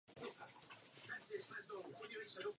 Do jezera ústí velké množství řek.